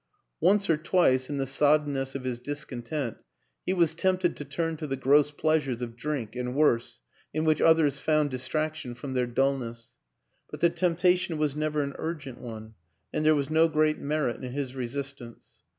Once or twice, in the soddenness of his discon tent, he was tempted to turn to the gross pleasures of drink and worse in which others found distrac tion from their dullness; but the temptation was never an urgent one and there was no great merit in his resistance.